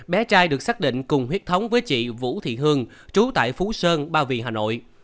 bé trai được xác định cùng huyết thống với chị vũ thị hương trú tại phú sơn ba vì hà nội